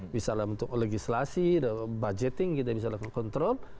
bisa untuk legislasi budgeting kita bisa untuk kontrol